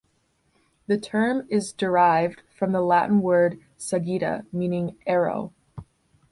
The term is derived from the Latin word "sagitta", meaning "arrow".